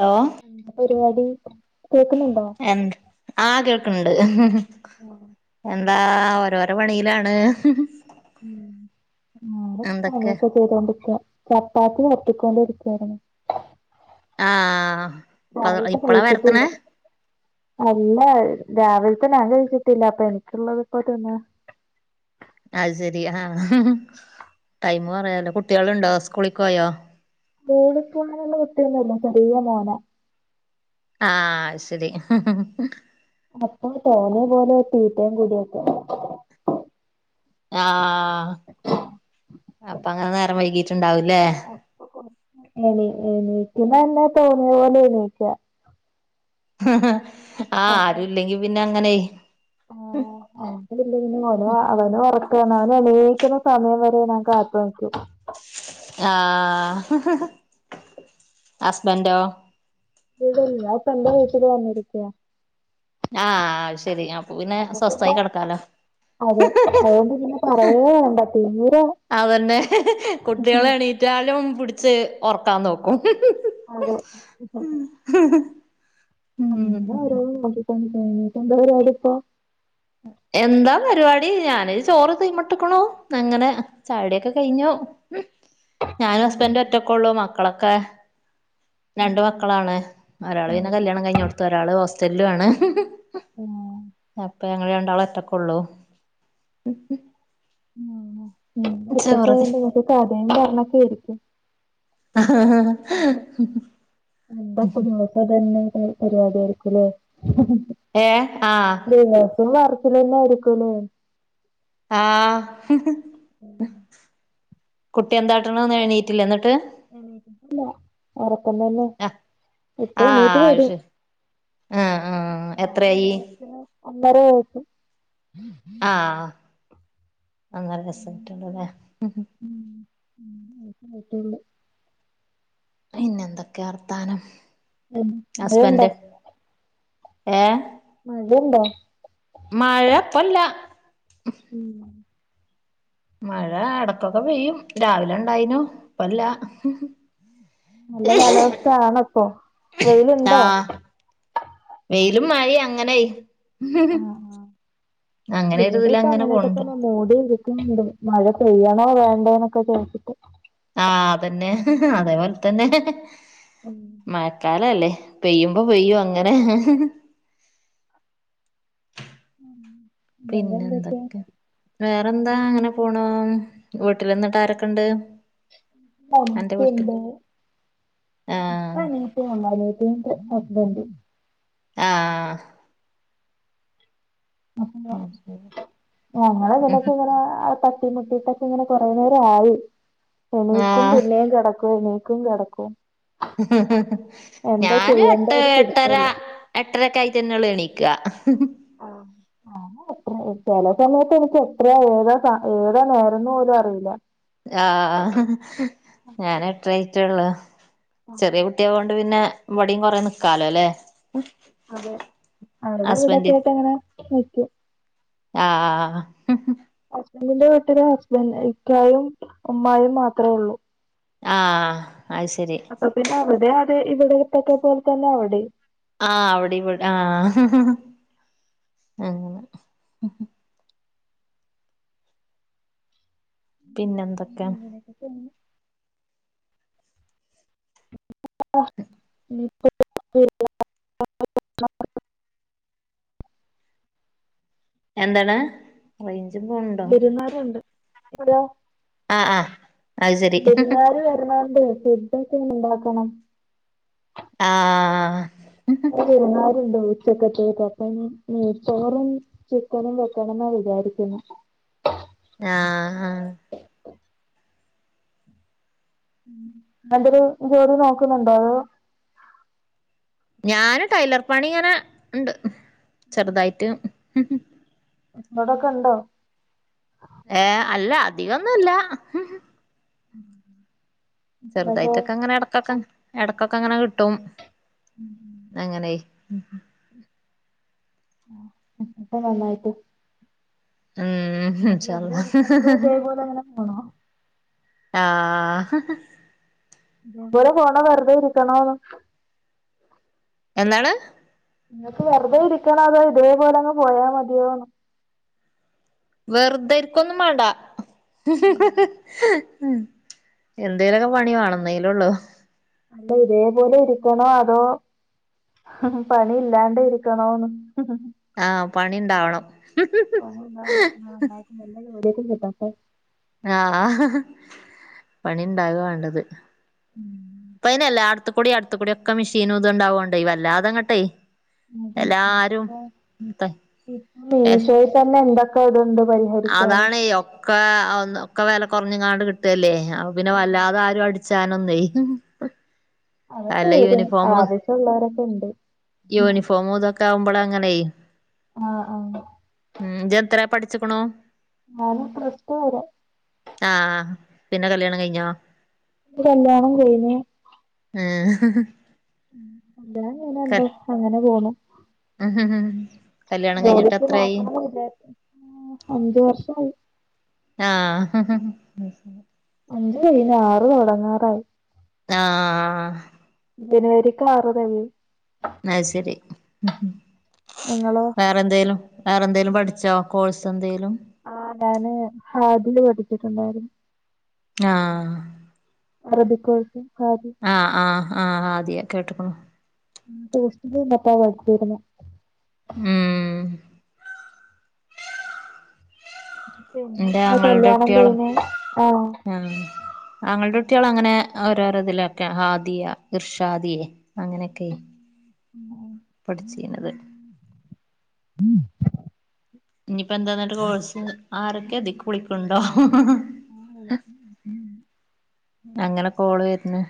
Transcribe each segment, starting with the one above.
Law എന്ത പരിപാടി കേക്കുന്നുണ്ടോ എൻ ആ കേൾക്ക്ണ്ട് ഹി ഹി എന്താ ഒരര് പണിയിലാണ് ഹിഹി എന്തൊക്കെ [unintelligible] ചെയ്തോണ്ടിരിക്ക, ചപ്പാത്തി പരത്തിക്കൊണ്ടിരിക്കാണ്. അ ആഹ് രാവിൽത്ത കയിച്ചിട്ടില്ല അല്ല രാവിലെത്തെ ഞാൻ കഴിച്ചട്ടില്ല അപ്പൊ എനിക്കുള്ളത് ഇപ്പോ തിന്ന അത് ശരി ആഹ് ടൈം പറയാലോ കുട്ടികളുണ്ടോ സ്കൂളിൽ പോയോ സ്‌കൂളിൽ പോന്നുള്ള കുട്ടിയൊന്നുല്ല ചെറിയ മോന ആ ശരി ഹി ഹി അപ്പൊ തോന്നിയ പോലെ തീറ്റയും കൂടിയൊക്കെ അ അ ഹ അപ്പ അങ്ങനെ നേരം വൈകിട്ടുണ്ടാവൂലേ എണി എണീക്കുന്നല്ല തോന്നിയ പോലെ എണീക്ക ഹ് ഹ് ആ അപ്പൊ ആരുല്ലെങ്കിൽ പിന്നെ അങ്ങനയ് ഹസ്ബന്റ് ഇല്ലെങ്കി അവന് അവന് ഉറക്കാണ് അവൻ എണിക്കുന്ന സമയം വരെ ഞാൻ കാത്തു നിക്കും ആഹ് ഹ് ഹ് ഹ് ഹസ്‌ബെൻ്റൊ [unintelligible] ഞാൻ പെൻ്റെ വീട്ടില് വന്നിരിക്കാ ആഹ് അഅ്ശരി അപ്പ പിന്നെ അപ്പൊ പിന്നെ സ്വസ്ഥായി കെടക്കാലോ അതെ അഅ്കൊണ്ട് പിന്ന പറയേവേണ്ട തിമിരൊ അതെന്നെ! ! ! ! ! കുട്ട്യളെണീറ്റാലും പുടിച്ച് ഒർക്കാം നോക്കും! ! ! ! ! [unintelligible] ! ! ! ! ! ! ! ! ! [unintelligible] പ്പോ എന്താ പരിപാടി ഞാനൊര് ചോറ് തീ് മുട്ടിക്കുണു നങ്ങനെ ചായടിയൊക്കെ കഴിഞ്ഞോ? ! ! ! ! ഞാനു ഹസ്ബൻഡു ഒറ്റക്കൊള്ളു മക്കളൊക്കെ രണ്ട് മക്കളാണ് ഒരാള് പിന്ന കല്യാണം കഴിഞ്ഞൊടുത്തു ഒരാള് ഹോസ്റ്റല്ലു ആണ്! ! ! ! ! എ ആ അപ്പ ഞങ്ങള് രണ്ടാളു ഒറ്റക്കൊള്ളൂ [inaudible] മ് ഞ ചോറ് ഒറ്റക്കയോണ്ട് കഥ യും പറഞ്ഞൊക്കെരിക്കും അഹഹഹ! ! ! ! ! ! പ്പതന്നെ [unintelligible] പരിപാടിയാരിക്കുല്ലേ [inaudible] ഏ ആഹ് ദിവസം വറച്ചില് ന്നെ ആരിക്കുലെ ആഹ് ഹ് ഹ് കുട്ടി എന്താട്ടണോന്നെണീറ്റില്ലേ ന്നിട്ട്? എണീറ്റിട്ടില്ല ഒറക്കം തന്നെ ഇപ്പൊണീറ്റു വരു അ ആ ആഹ് എത്രെയി? [inaudible] ഒന്നെര വയസ് ആഹ് ആ ഒന്നരസ്സയിട്ടൊള്ളുല്ലേ ഹ് ഹ് [inaudible] പിന്നെന്തൊക്കെയർത്താനം ഉം മഴയുണ്ടോ അസ്ബന്റ് ഏഹ്? മടിണ്ടൊ? മഴപ്പൊല്ലാ ഉം മഴാ എടക്കൊക്ക പെയ്യും രാവിലണ്ടായിനു പ്പല്ല നല്ല കാലാവസ്ഥ ആണൊ പ്പൊ? വെയില്ണ്ടോ? ആഹ് വെയിലും മഴയു അങ്ങനയ് ! ആഹ് ആഹ് ! ! ! ! അങ്ങനെ ഇവിടെ ഇപ്പ തുലങ്ങന അങ്ങനെയൊക്കെ പോണ് ണ്ട്‌ തന്നെ മൂടി ഇരിക്ക്ന്ന്ണ്ട് മഴ പെയ്യണോ വേണ്ടെന്നൊക്ക [unintelligible] ആഹ് അതെന്നെ ഹ് ഹ് അതേ പോൽ തന്നെ ഹെ ഹെ [inaudible] മയക്കാലല്ലെ പെയ്യുമ്പൊ പെയ്യു അങ്ങനെ ഹ ഹ ഹ വേറെ എന്തൊക്കെയാ പിന്നെന്തക്കെ വേറെന്താ അങ്ങനെ പോണൂ വീട്ട്ല്ന്ന്ട്ടാരൊക്കണ്ട്? [inaudible] ആഹ് പ്പണിറ്റ് വന്ന [unintelligible] ഹസ്ബൻ്റും ആഹ് ഞങ്ങൾ [unintelligible] ട്ടിമുട്ടിട്ടൊക്കെ ങ്ങനെ കൊറേ നേരായി എണീക്കും ആഹ് പിന്നെം കെടക്കും ണി ക്കും കെടക്കു ! ! ! ! ! ഞാനു ചെയ്യേണ്ടേ എട്ട് ഒരു എട്ടര പിടുത്തമില്ല എട്ടരക്കായ്റ്റെന്നൊള്ളു എണീക്ക! ! ! ! ! അ ആഹ് [unintelligible] ചെല സമയത്തെനിക്കെത്രയാ ഏതാ സ-ഏതാ നേരന്നു പോലു അറിയില്ല ആ ആഹ്! ! ! ! ! ഞാനെട്ട രായിറ്റൊള്ളു ചെറിയ കുട്ടി ആയെ കൊണ്ട് പിന്നെ ഇവിടെയും കുറെ നിക്കാലോല്ലേ. അതെ അവിടെ ഇവിടൊക്കെ ആയിട്ട് അങ്ങനെ നിൽക്കും. ആഹ് ആഹ് ഹസ്ബന്റിന്റെ വീട്ടിലെ ഹസ്ബൻഡും, ഇക്കായും, ഉമ്മായും മാത്രമേ ഉള്ളൂ. ആഹ് അത് ശരി അ പിന്നെ അവിടെ അതെ ഇവിടെത്തക്കെ പോലെ തന്നെ അവിടെ ആഹ് അവിടെ ഇവി ആഹ് അങ്ങനെ പിന്നെന്തൊക്കെ അങ്ങനെ പോണു [unintelligible] നി എന്താണ് റെയിഞ്ച് പോണു വിരുന്നുകാരുണ്ട് അവിടെയോ ആഹ് ആഹ് അത് ശരി വിരുന്നുകാര് വരനൊണ്ടെ ഫുടോക്കെ ഇണ്ടാക്കണം ആഹ് ആഹ് വിരുന്നുകാരുണ്ടേ ഉച്ചക്കത്തേക്ക് അപ്പം നെയ്ച്ചോറും ചിക്കനും വെക്കണംന്നാ വിചാരിക്കുന്നെ ആഹ് ആഹ് എന്തേലും ജോലി നോക്കുന്നുണ്ടോ അതോ. ഞാന് ടൈലർ പണി ഇങ്ങനെ ഉണ്ട് ചെറുതായിട്ട്. ഇങ്ങോടൊക്കെയുണ്ടോ. ഏഹ് അല്ല അധികമൊന്നുല്ല [unintelligible] ചെറുതായിട്ടൊക്കെ അങ്ങനെ എടക്കൊക്കെ എടക്കൊക്കെ അങ്ങനെ കിട്ടും അങ്ങനെ [unintelligible] [unintelligible] നന്നായിട്ടു ഉം ഇൻഷാ വെറുതെ അള്ളാ. ഇരിക്കണോ അതോ ഇതേപോലെ അങ്ങനെ പോണോ ആഹ് മൂപ്പര് പോണോ വെറുതെ ഇരിക്കണോന്ന് എന്താണ് നിങ്ങൾക്ക് വെറുതെ ഇരിക്കണോ അതോ ഇതേപോലെ അങ്ങ് പോയാ മതിയോന്ന് വെറുതെരിക്കൊന്നും വേണ്ട എന്തേലുമൊക്കെ പണി വേണം ന്നെങ്കിലേ ഉള്ളൂ അല്ല ഇതേപോലെ ഇരിക്കണോ അതോ ഹും ഹും പണി ഇല്ലാണ്ട ഇരിക്കണോന്ന് ആഹ് പണി ഇണ്ടാവണം പണി ഇണ്ടാവണം ആഹ് നന്നായിട്ട് നല്ല ജോലിയൊക്കെ കിട്ടട്ടെ ആഹ് പണി ഇണ്ടാക വേണ്ടത് ഉം ഇപ്പ അതിനെല്ല അടുത്തുകൂടി അടുത്ത കൂടി ഒക്കെ മെഷീൻ ഇത് ഇണ്ടാവുകോണ്ടേ വല്ലാ അതങ്ങട്ടെ എല്ലാരും ത ഇപ്പ മീഷോയിൽ തന്നെ എന്തൊക്കെ ഇതുണ്ട് പ അതാണേ ഒക്കെ ഒക്കെ വില കുറഞ്ഞ ഇങ്ങാണ്ട് കിട്ടുവല്ലേ പിന്നെ വല്ലാതെ ആരും അട് ച്ചാനൊന്നുംയി അതൊക്കെ വരും ആവശ്യമുള്ളവരൊക്കെ ഉണ്ട് യൂണിഫോം ഇതൊക്കെ ആകുമ്പോൾ അങ്ങനെ ആഹ് ആഹ് ഉം, ജ് ത്രെ പഠിച്ചിക്ണു. ഞാനും പ്ളസ്ടു വരെ. ആഹ പിന്നെ കല്യാണം കഴിഞ്ഞോ കല്യാണം കഴിഞ്. ഉം [unintelligible] ക ന്താ, അങ്ങനെ പോണു. [inaudible] കഴിഞ്ഞിട്ട് ജോലിയ്ക്ക് എത്രായി നോക്കണം ന്നുണ്ട് അന്ജ് വർഷായി. ആഹ്, ഹ് ഹ്. അഞ്ജ് കൈഞ്, ആറ് തൊടങ്ങാറായി. ആഹ്. ജനുവരിക്ക് ആറ് തെകിം. അത് ശരി ഞങ്ങളോ.. വേറെ ന്തേലും, വേറെ ന്തേലും പഠിച്ചോ? കോഴ്സ് ന്തേലും. ആഹ്, ഞാന് ഹാദില് പഠിച്ചിട്ടുണ്ടായിരുന്. ആഹ്. അറബി കോഴ്സും, സാധിം. ആഹ്, ആഹ്, ആഹ്, ആദിയ കേട്ട് ക്ണു. ആഹ് ഉഷ്റ്റിലി തിന്നി ട്ട വയ്റ്റ് വേദന ഉം ന്റെ പിന്നെന്താ ആങ്ങളയുടെ കല്യാണം കുട്ട്യോ ളാ കഴിഞ്ഞ് ആഹ് ആങ്ങൾ ന്റെ കുട്ട്യാള്, അങ്ങനെ ഓരോര തിലൊക്കെ ആദിയ, ഹിർഷ ദിയ അങ്ങനെയൊക്കെയ്ന്. [inaudible] പഠിച്ചിന്നത് [inaudible] ഇനിയിപ്പോ എന്താന്നായിട്ട് കോഴ്സ് ആരൊക്കെ അതിൽ കുളി ക്കു ണ്ടോ ആഹ് അങ്ങനെ കോള് വരുന്ന്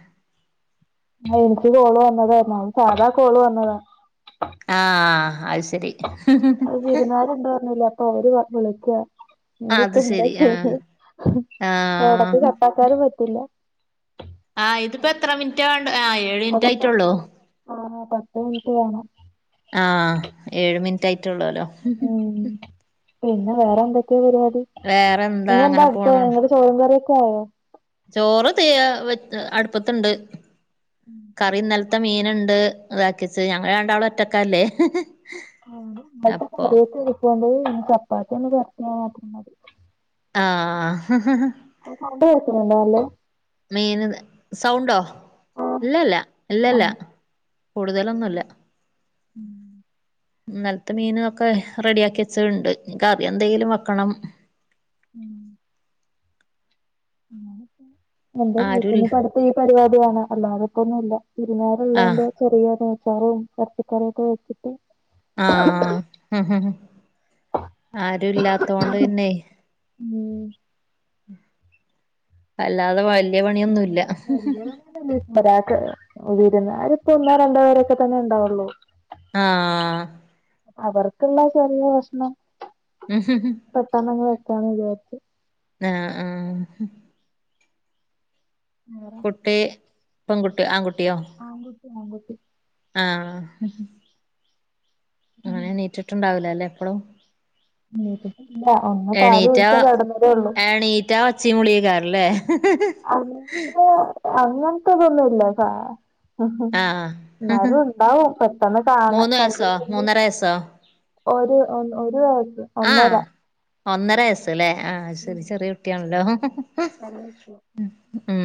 ആഹ് ഇൻക്ക് കോള് വന്നതായിര്ന്നു. അത് സാധാ കോള് വന്നതാ. ആഹ്, ആഹ് ശരി. വിരുന്നാരുണ്ട് റഞ്ഞിലെ, അപ്പൊ അവര് വിളിക്ക. അത് നിപ്പ ന്താ ശരി ആഹ് ചെയ്യ? ഹ് എടക്ക് ആഹ് കട്ടക്കാനും പറ്റൂല്ല. ആഹ്, ഇതിപ്പോ എത്ര മിനിറ്റ് വേണ്ടെ ആയെ? ഏഴ് അതന്നെ ആഹ് പത്ത് മിനിറ്റ് വേണം. ആ ഏഴ് മിനിറ്റ് ആയിട്ടുള്ളൂല്ലോ ഉം പിന്നെ വേറെ എന്തൊക്കെ പരിപാടി വേറെ ന്താ, ഇനി എന്താ അങ്ങനെ അടുത്ത പോണു. നിങ്ങടെ ചോറും, കറിയും ക്കെ ആയ. ചോറ് തീ യാ വെ അടുപ്പത്ണ്ട്. കറി ഇന്നൽത്. ഇന്നലത്തെ മീന ണ്ട് ഇതാക്കിച്ച് ഞ ങ്ങൾ രണ്ട് ആള് ഒറ്റക്കല്ലേ ഇന്നലത്തെ അപ്പൊ [unintelligible] ചപ്പാത്തി ഒന്ന് പരത്തി [unintelligible] ആഹ്, ആഹ് [inaudible] ഫുഡ്‌ [unintelligible] മെയിന് സൗണ്ടോ ഇല്ലല്ല ഇല്ലല്ല ആഹ് കൂടുതലൊന്നുല്ല ഉം ന്നൽത്തെ മീന് ഒക്കെ റെഡിയാക്കി വെച്ചത്ണ്ട്. കറി എന്തെങ്കിലും വെക്കണം. ഉം എന്റെ വീട്ന്ന് ആരുല്ല പടുത്ത ഈ പരിപാടിയാണ്. അല്ലാതെ പ ന്നുംല്ല. വിരുന്നാ ര് ആഹ് ഉള്ളോണ്ട് ചെറിയ നെയ് ച്ചോറും എറച്ചി കറി ഒക്കെ വെച്ച് ആഹ്, ഹ് ഹ് ഹ്. ആരു ല്ലാത്തൊണ്ട് പിന്നെയ്. മ്. അല്ലാതെ വല്ല്യയ പണിയൊന്നുല്ല അല്ല അതെന്താ വിര്ന്നാര്രിപ്പോ ഒന്നോ രണ്ടോ പേരൊക്കെ തന്നെ ഉണ്ടാവുള്ളൂ ആഹ് അവർക്കുള്ള ചെറിയ കഷ്ണം ഉ പെട്ടാന്നാങ്ങ് വെക്കന്ന് വിചാരിച്ചു ആഹ് ആഹ് വേറെ കുട്ടി പെൺകുട്ടി ആൺകുട്ടിയോ ആൺ കൂട്ടി അൺക്കുട്ടി ആഹ് ഉം അങ്ങനെ നീറ്റിട്ടുണ്ടാവില്ല അല്ലേ എപ്പളും നീട്ടട്ട ഇല്ല ഒന്ന പാല കുടിച്ച കടന്നരേള്ളൂ റ്റാ ഒച്ചീ വിളിക്കാരല്ലേ അങ്ങ അങ്ങനത്തതൊന്നുംല്ലാ ഉം ആഹ് എന്നാലും ഉണ്ടാവും പെട്ടെന്ന് കാണ മൂന്ന് വയസ്സോ കണ്ടെങ്കിൽ മൂന്നര വയസ്സോ ഒരു ഒരു വയസ്സ് ആഹ് ഒന്നര ഒന്നര വയസ്സല്ലേ ആഹ് ശെരി ചെറിയ കുട്ടിയാണല്ലോ ഉം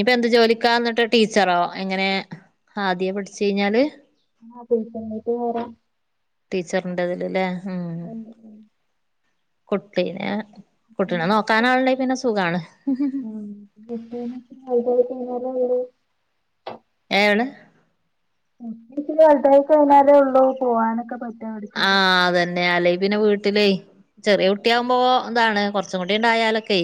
ഇത് എന്ത് ജോലിക്കാ എന്നിട്ട് ടീച്ചറോ എങ്ങനെ ആദ്യയെ പഠിച്ചു കഴിഞ്ഞാല് ആഹ് [unintelligible] ടീച്ചറിന്റെ തില് ല്ലേ ഉം [unintelligible] കുട്ടീനെ കുട്ടീനെ നോക്കാനാള്ണ്ടെ പിന്നെ സുഖാണ് എം ബി വിയെസിന് [unintelligible] അവിടെ ഏണ് വത കഴിഞ്ഞാലേ ഉള്ള പോകാനൊക്കെ പറ്റ ആഹ് അതന്നെയ അല്ലെ പിന്നെ വീട്ടിലേ ചെറിയ കുട്ടിയകുമ്പോ ന്താണ് കുറച്ചും കൂടി ആയാലൊക്കെ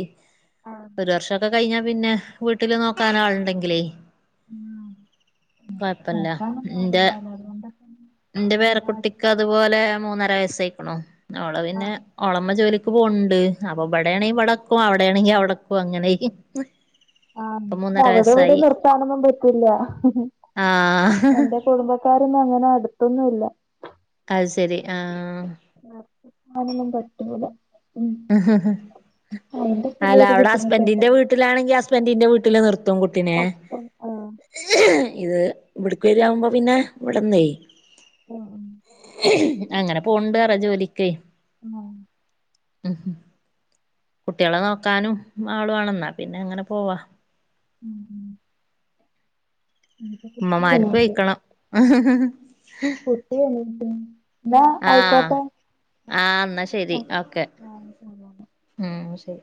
ആഹ് ഒരു വർഷംക്കെ കഴിഞ്ഞ പിന്നെ വീട്ടില് നോക്കാൻ ആള് ഉണ്ടെങ്കിലേ ഉം കുഴപ്പല്ല എന്റെ അതുകൊണ്ടൊക്കെ എന്റെ പേര കുട്ടിക്ക് അത് അംഗനവാടി അതുപോലെ മൂന്നര വയസ്സായിക്കണോ ഓളെ ആ പിന്നെ ഓളമ്മ ജോലിക്ക് പോവണ്ട് അപ്പൊ ഇവിടെയാണെങ്ക ഇവിടക്കും അവിടെയാണെങ്കിൽ അവിടെക്കും അങ്ങനെ ആഹ് മൂന്നര അവിടെ ഇവിടെ വയസ്സായി നിർത്താനൊന്നും പറ്റില്ല ആഹ് എന്റെ കുടുംബ ക്കാരൊന്നും അങ്ങനെ അടുത്തൊന്നും ഇല്ല അയ്ശരി ആഹ് ഒന്നും പറ്റൂല ഉം അയിന്റെ അല്ല ചെറിയൊരു അവിടെ ഹസ്ബൻറിന്റെ ബുദ്ധിമുട്ടുണ്ട് വീട്ട വീട്ടിലാണെങ്കിൽ ഹസ്ബൻഡിന്റെ വീട്ടില് നിർത്തും കുട്ടിനെ ഹസ്ബൻഡ് ആഹ് ഇത് ഇവിടക്ക വരി ആവുമ്പോ പിന്നെ ഇവിടന്നേ ആഹ് അങ്ങനെ പോണ്ട് പറ ജോലിക്കെ. ആഹ് ഉം കുട്ടികളെ നോക്കാനും ആളുവാണെന്നാ പിന്നെ അങ്ങനെ പോവാ ഉം ഇനിയിപ്പോ കുട്ടി ഉമ്മമാർക്ക് എണീറ്റ് വെയ്ക്കണം കുട്ടി എണീച്ച്ണ് എന്താ ആഹ് ആയിക്കോട്ടെ ആഹ് എന്നാ ശരി ഓക്കെ ഉം ശരി.